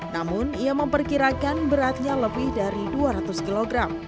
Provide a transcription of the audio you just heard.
namun ia memperkirakan beratnya lebih dari dua ratus kg